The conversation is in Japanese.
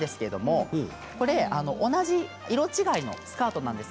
同じ色違いのスカートです。